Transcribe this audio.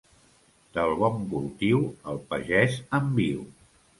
Del bon cultiu el pagès en viu.